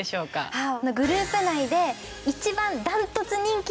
はい。